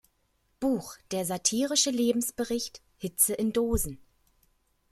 Buch, der satirische Lebensbericht „Hitze in Dosen.